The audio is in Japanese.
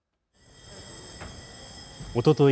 おととい